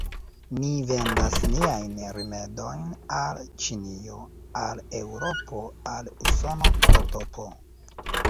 Ni vendas niajn rimedojn al Ĉinio, al Eŭropo, al Usono, ktp.